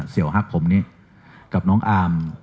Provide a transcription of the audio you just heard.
เซี่ยวฮักผมนี้กับน้องอาร์ม